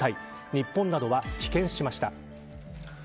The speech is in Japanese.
日本などは棄権しました。